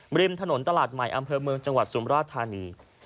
ริมถนนตลาดใหม่อำเภอเมืองจังหวัดสุมราชธานี